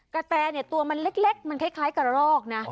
แตเนี่ยตัวมันเล็กมันคล้ายกระรอกนะ